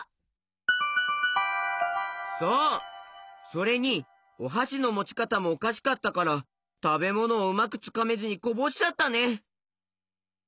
それにおはしのもちかたもおかしかったからたべものをうまくつかめずにこぼしちゃったね！